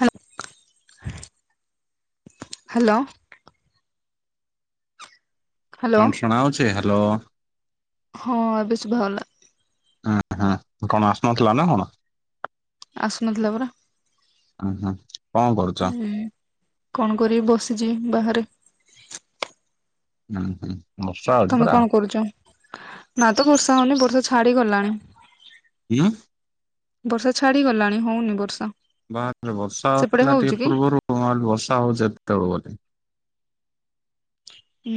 ହା-ହ୍ୟାଲୋ। Hello କଣ ଶୁଣାହଉଛି hello? ହଁ ଏବେ ଶୁଭାଗଲା। ହଁ ହଁ କଣ ଆସୁନଥିଲା ନା କଣ? ଆସୁ ନଥିଲା ପରା। ଉ ହଁ କଣ କରୁଛ? ହୁଁ କଣ କରିବି ବସିଛି ବାହାରେ। [unintelligible] ହଉଛି ତମେ ପରା କଣ କରୁଛ? ନା ତ ବର୍ଷା ହଉନି, ବର୍ଷା ଛାଡିଗଲାଣି। ଉଁ। ବର୍ଷା ଛାଡିଗଲାଣି ହଉନି ବର୍ଷା। ବାହାରେ ଥିଲି ବର୍ଷା ସେପଟେ ହେଉଥିଲା ହଉଛି ଟିକେ କି? ପୂର୍ବରୁ। ମୁଁ ଭାବିଲି ବର୍ଷା ହଉଛି ହେତେବେଳୁ ବୋଲି।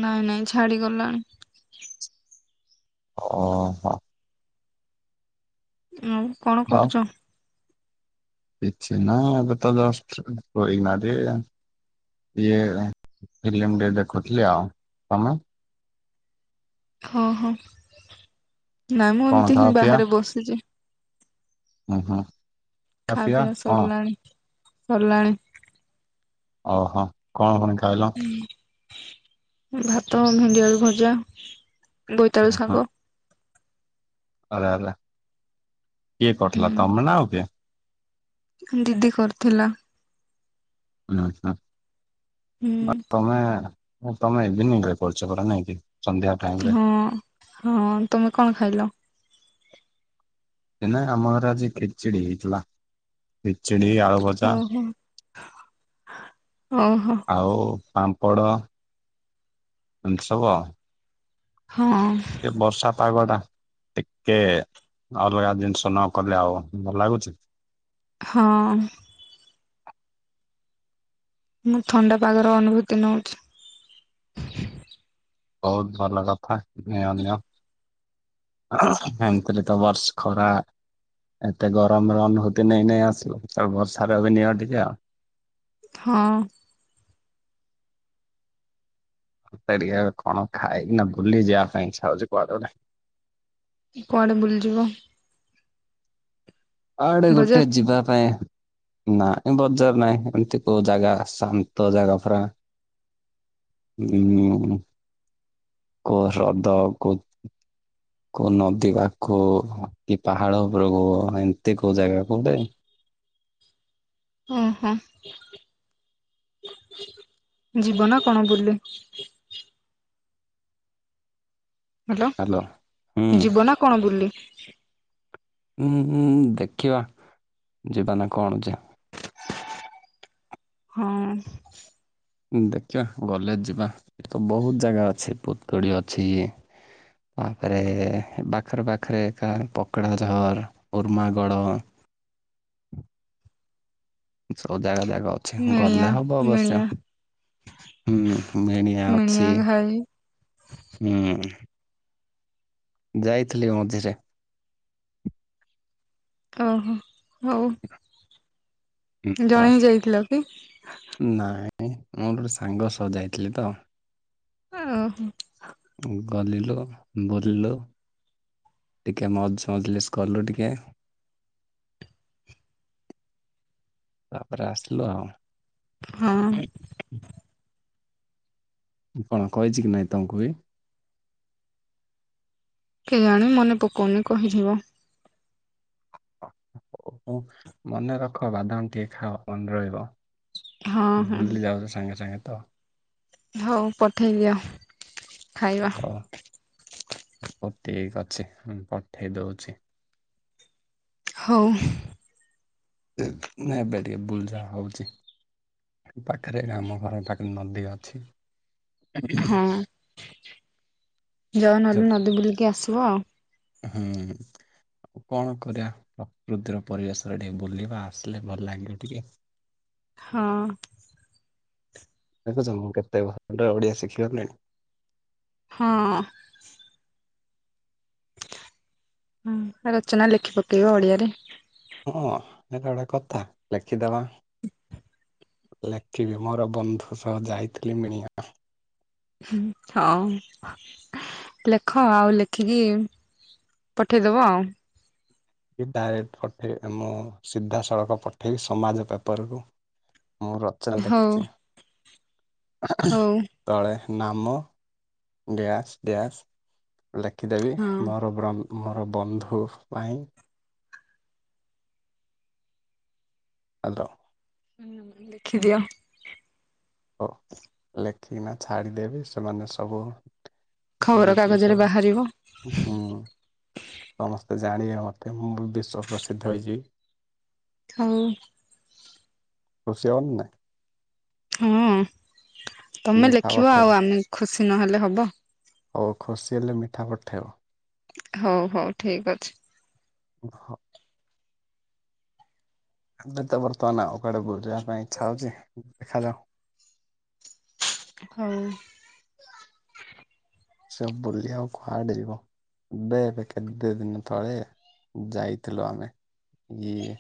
ନାଇଁ ନାଇଁ ଛାଡି ଗଲାଣି। ଓହୋ। ଆଉ କଣ ହଉ କରୁଛ? କିଛି ନାହିଁ ଏବେ ତ ଜଷ୍ଟ ସୋଇକିନା ଟିକେ। ଇଏ ଫିଲ୍ମ ଟିକେ ଦେଖୁଥିଲି ଆଉ। ତମେ? ହଁ ହଁ। ନାଇଁ ମୁଁ କଣ ଏମତି ଖାଅ ହିଁ ବାହାରେ ବସିଛି। ହୁଁ ହୁଁ। ଖାଅ ଖାଇବା ପିଆ ପିଇବା କଣ ସରିଲାଣି, ସରିଲାଣି। ଓହୋ, କଣ କଣ ଖାଇଲ? ଭାତ, ଭେଣ୍ଡିଆଳୁ ଭଜା, ଉଁ ବୋଇତାଳୁ ହୁଁ ଶାଗ। ଆରେ ଆରେ, କିଏ କରିଥିଲା ତମେ ନା ଆଉ କିଏ? ଦିଦି କରିଥିଲା। ଉଁ ହୁଁ। ହୁଁ ତମେ ତମେ ଇଭିନିଂରେ କରୁଛ ପରା ନାଇଁ କି ସନ୍ଧ୍ୟାରେ। ହଁ ହଁ, ତମେ କଣ ଖାଇଲ? ସେ ନା ଆମ ଘରେ ଆଜି ଖେଚଡି ହେଇଥିଲା। ଖିଚୁଡ଼ି ଆଳୁ ଭଜା। ଓହୋ ଓହୋ ଆଉ ପାମ୍ପଡ ଏମିତି ସବୁ ଆଉ। ହଁ। ଟିକେ ବର୍ଷା ପାଗଟା। ଟିକେ ଅଲଗା ଜିନିଷ ନକଲେ ଆଉ ଭଲ ଲାଗୁଛି। ହଁ। ମୁଁ ଥଣ୍ଡା ପାଗର ଅନୁଭୂତି ନଉଛି। ବହୁତ ଭଲ କଥା। ନିଅ ନିଅ। ହେମତିରେ ତ ବର୍ଷ ଖରା ଏତେ ଗରମର ଅନୁଭୂତି ନେଇ ନେଇ ଆସିଲ। ଏବେ ବର୍ଷାର ବି ନିଅ ଟିକେ ଆଉ। ହଁ। ମୋତେ ଟିକେ ଇଆଡେ କଣ ଖାଇକିନା ବୁଲି ଯିବା ପାଇଁ ଇଚ୍ଛା ହଉଛି କୁଆଡେ ଗୋଟେ। କୁଆଡେ ବୁଲିଯିବ? କୁଆଡେ ଗୋଟେ ବଜାର ଯିବା ପାଇଁ ନାଇଁ ବଜାର ନାଇଁ ଏମିତି କୋଉ ଜାଗା ଶାନ୍ତ ଜାଗା ପୁରା। ଉଁ। କୋଉ ହ୍ରଦ କୋ କୋଉ ନଦୀ ପାଖକୁ, କି ପାହାଡ ଉପରକୁ ଏମିତି କୋଉ ଜାଗା କୁଡେ ଓହୋ। ଯିବ ନା କଣ ବୁଲି? ହ୍ୟାଲୋ, ହାଲୋ ହୁଁ ଯିବ ନା କଣ ବୁଲି? ଉଁ ଉଁ ଦେଖିବା ଯିବା ନା କଣ ଯେ। ହଁ। ଦେଖିବା ଗଲେ ଯିବା ଇଠେ ତ ବହୁତ ଜାଗା ଅଛି ପୁତୁଡି ଅଛି। ତାପରେ ବାଖରେ ବାଖରେ ଏକା ପକଡ଼ାଝର ଉର୍ମାଗଡ। ସବୁ ଜାଗା ଜାଗ ଅଛି ମିଣିଆ ଗଲେ ହବ ଏବର୍ଷ। ମିଣିଆ ହୁଁ ମେଣିଆ ମିଣିଆ ଅଛି, ଘାଇ ହୁଁ। ଯାଇଥିଲି ମଝିରେ। ଓହୋ। ହଉ। ନା ଜଣେଇ ଯାଇଥିଲ କି? ନାଇଁ ମୁଁ ଗୋଟେ ସାଙ୍ଗ ସହ ଯାଇଥିଲି ତ। ଓହୋ। ଗଲିଲୋ ବୋଲିଲୁ। ଟିକେ ମଉଜ ମଜଲିସ୍ କଲୁ ଟିକେ। [inaudible] ତାପରେ ଆସିଲୁ ଆଉ। ହଁ। ମୁଁ କଣ କହିଛି କି ନାଇଁ ତମକୁ ବି। କେୟାଣି ମନେ ପକଉନି କହିଥିବ। ଓ ମନେ ରଖ ବାଦାମ ଟିକେ ଖାଅ ମନେ ରହିବ। ହଁ ହଁ ଭୁଲି ଯାଉଛ ସାଙ୍ଗେ ସାଙ୍ଗେ ତ। ହଉ ପଠେଇ ଦିଅ ଖାଇବା। ହଉ ହଉ ଠିକ ଅଛି ମୁଁ ପଠେଇ ଦଉଛି। ହଉ। ନା ଏବେ ଟିକେ ବୁଲଯା ହଉଛି। ପାଖରେ ଆମ ଘର ପାଖରେ ନଦୀ ଅଛି। ହଁ ଯାଅ ସେ ନହେଲେ ନଦୀ ବୁଲିକି ଆସିବ। ହୁଁ। ଆଉ କଣ କରିବା ପ୍ରକୃତିର ପରିବେଶରେ ଟିକେ ବୁଲିବା, ଆସିଲେ ଭଲ ଲାଗିବ ଟିକେ। ହଁ। ଦେଖୁଛ ମୁଁ କେତେ ଭଲରେ ଓଡ଼ିଆ ଶିଖିଗଲିଣି। ହଁ। ହଁ ରଚନା ଲେଖି ପକେଇବ ଓଡିଆରେ। ହଁ ଏଟା ଗୋଟେ କଥା ଲେଖିଦବା। ଲେଖିବି ମୋର ବନ୍ଧୁ ସହ ଯାଇଥିଲି ମିଣିବା। ହୁଁ ହଁ। ଲେଖ ଆଉ ଲେଖିକି ପଠେଇଦବ ଆଉ। କି ଡାଇରେକ୍ଟ ପଠେଇ ମୁଁ ସିଧାସଳଖ ପଠେଇକି ସମାଜ ପେପରକୁ। ମୁଁ ରଚନା ହଉ ଲେଖିଛି। ହଉ ତଳେ ନାମ ଡ୍ୟାସ ଡ୍ୟାସ। ଲେଖିଦେବି ହଁ ମୋର ବ୍ରହ୍ମ ମୋର ବନ୍ଧୁ ପାଇଁ। ହ୍ୟାଲୋ। ହୁଁ ଲେଖି ଦିଅ। ହଉ ଲେଖିକିନା ଛାଡ଼ିଦେବି ସେମାନେ ସବୁ ଖବର ଯେତିକି କାଗଜରେ ସବୁ ବାହାରିବ। ହୁଁ ସମସ୍ତେ ଜାଣିବେ ମତେ, ମୁଁ ବିଶ୍ଵ ପ୍ରସିଦ୍ଧ ହେଇଯିବି। ହଉ। ଖୁସି ହବନି ନା। ହଁ ତମେ ମିଠା ଲେଖିବ, ପଠେଇବ। ଆଉ ଆମେ ଖୁସି ନହେଲେ ହବ। ହୋଉ ଖୁସି ହେଲେ ମିଠା ପଠେଇବ। ହଉ ହଉ ଠିକ ଅଛି। ଓ ହ। ଏବେ ତ ବର୍ତ୍ତମାନ, ଆଉ କୁଆଡେ ବୁଲିବା ପାଇଁ ଇଚ୍ଛା ହଉଛି ଦେଖାଯାଉ। ହଉ। ସବୁ ବୁଲି ଆଉ କୁଆଡେ ଯିବ। ଏବେ ବେ କେତେ ଦିନ ତଳେ ଯାଇଥିଲୁ ଆମେ ଇଏ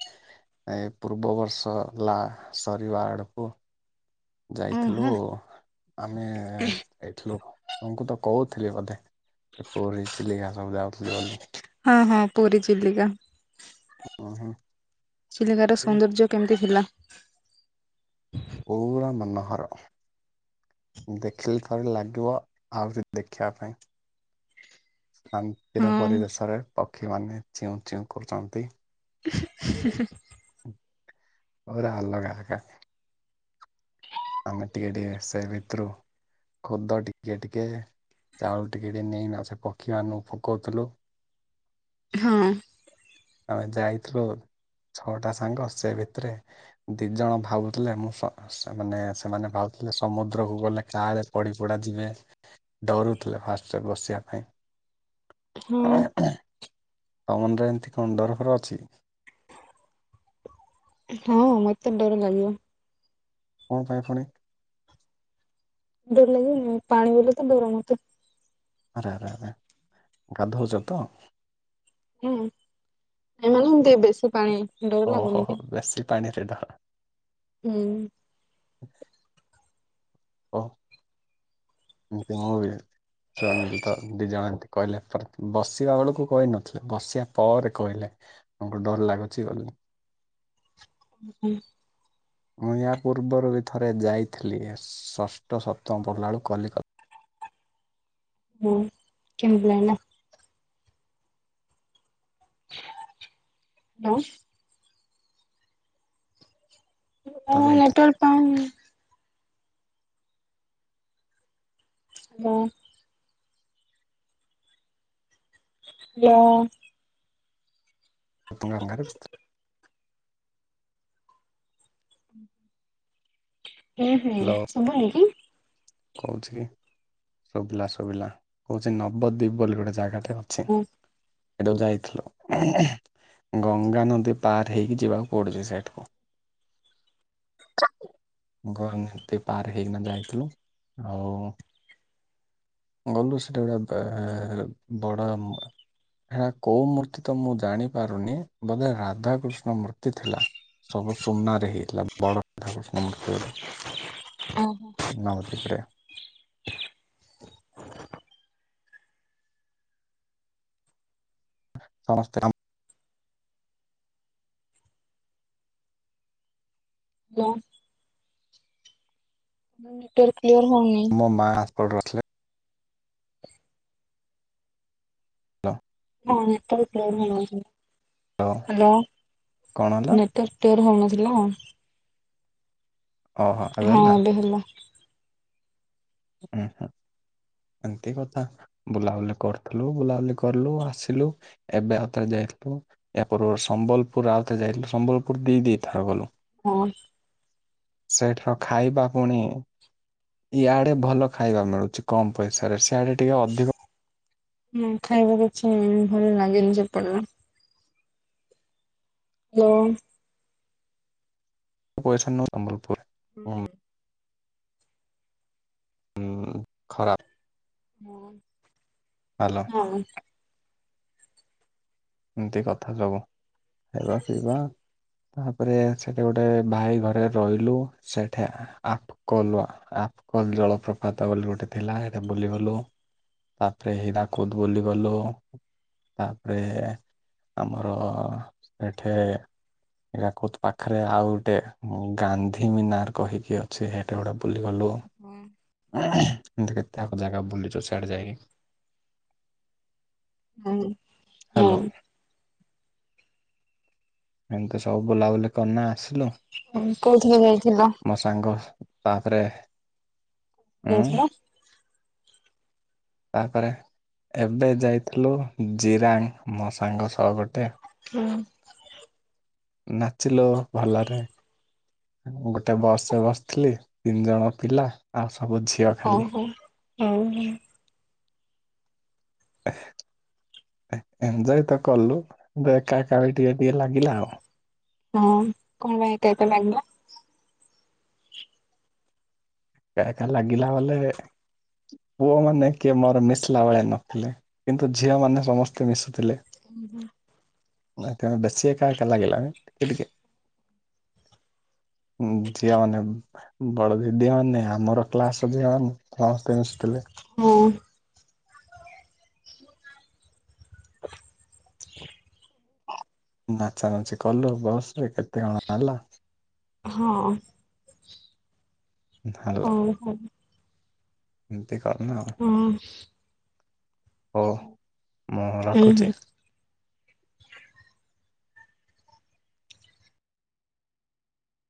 ଏ ପୂର୍ବ ବର୍ଷ ହେଲା ସରିବା ଆଡ଼କୁ ଯାଇଥିଲୁ ଓହୋ ଆମେ ଏଇଥିଲୁ ତାଙ୍କୁ ତ କହୁଥିଲି ଏ କଥା ପୁରୀ, ଚିଲିକା ସବୁ ଯାଉଥିଲେ ବୋଲି। ହଁ ହଁ ପୁରୀ ଚିଲିକା, ଉଁ ହୁଁ ଚିଲିକାର ସୌନ୍ଦର୍ଯ୍ୟ କେମିତି ଥିଲା? ପୁରା ମନୋହର। ଦେଖିଲେ ଥରେ ଲାଗିବ ଆହୁରି ଦେଖିବା ପାଇଁ। ଶାନ୍ତିର ହଁ ପରିବେଶରେ ପକ୍ଷୀମାନେ ଚିଉଁ ଚିଉଁ କରୁଛନ୍ତି। ହେ ହେ। ପୁରା ଆଲଗା [unintelligible] ଆମେ ଟିକେ ଟିକେ ସେ ଭିତରୁ ଖୁଦ ଟିକେ ଟିକେ ଚାଉଳ ଟିକେ ଟିକେ ନେଇ ନା ସେ ପକ୍ଷୀ ମାନଙ୍କୁ ପକଉଥିଲୁ। ହଁ। ଆମେ ଯାଇଥିଲୁ ଛଅଟା ସାଙ୍ଗ ସେ ଭିତରେ ଦି ଜଣ ଭାବୁଥିଲେ ମୁଁ ସ ସ ମାନେ- ସେମାନେ ଭାବୁଥିଲେ ସମୁଦ୍ରକୁୁ ଗଲେ କାଳେ ପଡି ପଡା ଯିବେ। ଡରୁଥିଲେ ଫାଷ୍ଟରେ ବସିବା ପାଇଁ। ହୁଁ। ଆନୁରେ ଏମିତି କଣ ଡର ଫର ଅଛି? ହଁ ମତେ ଡର ଲାଗିବ। କଣ ପାଇଁ ଫୁଣି? ଡର ଲାଗିବନି ପାଣିକୁ ଗଲେ ତ ଡର ମତେ। ଆରେ ଆରେରେ ଗାଧଉଛ ତ? ହୁଁ ଏ ମାନେ ଏମତି ବେଶୀ ପାଣି ଡର ଓହୋ ଲାଗୁନି ହୋ କି? ବେଶୀ ପାଣିରେ ଡ଼ର ହୁଁ। ହ ଓ। ଏମତି ହ ବେ ରନିଲ ତ ଦି ଜଣ ଏମନ୍ତି କହିଲେ ତ ବସିବା ବେଳକୁ କହିନଥିଲେ ବସିବା ପରେ କହିଲେ। ଆମକୁ ଡର ଲାଗୁଛି ଗଲେ। ହୁଁ ହୁଁ। ମୁଁ ଏୟା ପୂର୍ବରୁ ବି ଥରେ ଯାଇଥିଲି ଷଷ୍ଠ ସପ୍ତମ ପଢ଼ିଲାଳୁ କଲିକତ ହୁଁ କେମତି ଲାଗିଲା? ହ୍ୟାଲୋ। ତମ ଯାଇଥିଲି। କେଟୱାକ୍ ପାଉନି। ମୋ ହ୍ୟାଲୋ। [unintelligible] ହୁଁ ହୁଁ ହ୍ୟାଲୋ ଶୁଭୁନି କି? କହୁଛି କି ଶୁଭିଲା ଶୁଭିଲା କହୁଛି ନବଦ୍ୱୀପ ବୋଲି ଗୋଟେ ଜାଗାଟେ ଅ ଛି ଏଟାକୁ ଯାଇଥିଲ? ଗଙ୍ଗାନଦୀ ପାର ହେଇକି ଯିବାକୁ ପଡୁଛି ସେଇଠିକୁ। ଗଙ୍ଗ ତୀ ପାର ହେଇକିନା ଯାଇଥିଲୁ ଆଉ ଗଲୁ ସେଟା ଗୋଟେ ଏ ବଡ ହେଟା କୋଉ ମୂର୍ତ୍ତି ତ ମୁଁ ଜାଣି ପାରୁନି ବୋଧେ ରାଧାକୃଷ୍ଣ ମୂର୍ତ୍ତି ଥିଲା। ସବୁ ସୁନାରେ ହେଇଥିଲା ବଡ ରାଧା କୃଷ୍ଣ ମୂର୍ତ୍ତି ଗୋଟେ। ଓହୋ। ନବଦ୍ବୀପରେ। ସମସ୍ତେ ହ୍ୟାଲୋ। Network clear ହଉନହିଁ। ମୋ ମା [inaudible] ଥିଲେ। [inaudible] ତ ହାଲୋ କଣ ହେଲା [inaudible] [inaudible] ତର ହଉନଥିଲା ଓହୋ। ଏବେ ହେଲା? ହେଲା। ଉଁମ୍ ହୁଁ ଏମିତି କଥା। ବୁଲାବୁଲି କରୁଥିଲୁ ବୁଲାବୁଲି କରିଲୁ ଆସିଲୁ। ଏବେ ଆଉଥରେ ଯାଇଥିଲୁ। ଏପର [inaudible] ସମ୍ବଲପୁର ଆଉତେ ଯାଇଥିଲୁ ସମ୍ବଲପୁର ଦି ଦି ଥର ଗଲୁ। ହଁ। ସେଇଠାରୁ ଖାଇବା ପୁଣି ଇଆଡେ ଭଲ ଖାଇବା ମିଳୁଛି କମ ପଇସାରେ। ସିଆଡେ ଟିକେ ଅଧିକ ହୁଁ ଖାଇବାକୁ କିଛି ଭଲ ଲାଗେନି ସେପଟର। ହାଲୋ ପଇସା [inaudible] ହୁଁ ହୁଁ ଖରାପ। ଭଲ ହଁ [inaudible] ଏମିତି କଥା ସବୁ। ଖାଇବା ପିଇବା ତାପରେ ସେଠି ଗୋଟେ ଭାଇ ଘରେ ରହିଲୁ। ସେଠି ଆ କଲ [inaudible] ଆଫକଲ ଜଳପ୍ରପାତ ବୋଲି ଗୋଟେ ଥିଲା। ସେଟା ବୁଲିଗଲୁ। ତାପରେ ହୀରାକୁଦ ବୁଲିଗଲୁ। ତାପରେ ଆମର ସେଠି ଏଇଟା କୋ ପାଖରେ ଆଉ ଗୋଟେ ଗାନ୍ଧୀ ମିନାର କହିକି ଅଛି? ସେଇଟା ଗୋଟେ ବୁଲିଗଲୁ। ହୁଁ। ଏମିତି କେତେ ଆକ ଜାଗା ବୁଲିଚୀ ସିଆଡେ ଯାଇକି। [inaudible] ହ୍ୟାଲୋ ହଉ। ଏମିତି ସବୁ ବୁଲାବୁଲି କରନା ଆସିଲୁ। କୋଉଥିରେ ଯାଇଥିଲ ମସ୍ ସାଙ୍ଗ ତାପରେ ଉଁମ୍? ଯାଇଥିଲ ତାପରେ ଏବେ ଯାଇଥିଲୁ ଜିରାଙ୍ଗ ମୋ ସାଙ୍ଗ ସହ ଗୋଟେ। ହୁଁ। ନାଚିଲୁ ଭଲରେ। ମୁଁ ଗୋଟେ ବସରେ ବସିଥିଲି। ତିନି ଜଣ ପିଲା ଆଉ ସବୁ ଝିଅ। ଖାଲି [inaudible] ଏଞୟ ତ କଲୁ [inaudible] ଏକା ଏକା ବି ଟିକେ ଟିକେ ଲାଗିଲା ଆଉ। ହଁ କଣ ପାଇଁ ଏକା ଏକା ଲାଗିଲା? ଏକା ଏକା ଲାଗିଲା ବୋଲେ? ପୁଅମାନେ କିଏ ମୋର ମିଶିଲା ଭଳିଆ ନଥିଲେ, କିନ୍ତୁ ଝିଅମାନେ ସମସ୍ତେ ମିଶୁଥିଲେ। ହୁଁ ହୁ ମୁଁ [inaudible] ଦଶ ଏକା କେ ଲାଗଲା ନ ଟିକେଟ୍ ଝିଅ ମାନେ, ବଡ ଦିଦି ମାନେ ଆମର କ୍ଲାସ୍ ଝିଅମାନେ ସମସ୍ତେ ମିଶିଥିଲେ। ହଁ। ନାଚା ନାଚି କଲୁ। ବସରେ କେତେ କଣ ହେଲା। ହଁ। ହେଲା ହଉ ହଉ। ଏମିତି କରିନୁ ଆଉ। ହୁଁ ହଉ ମୁଁ ହୁଁ ରଖୁଛି।